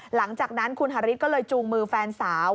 หลังจากนั้นคุณฮาริสก็เลยจูงมือแฟนสาว